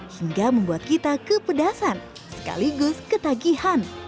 hingga membuat kita kepedasan sekaligus ketagihan